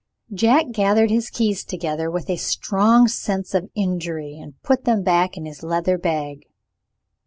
Jack gathered his keys together with a strong sense of injury, and put them back in his leather bag.